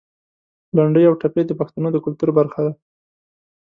لنډۍ او ټپې د پښتنو د کلتور برخه ده.